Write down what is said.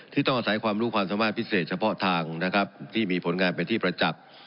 ต้องอาศัยความรู้ความสามารถพิเศษเฉพาะทางนะครับที่มีผลงานเป็นที่ประจักษ์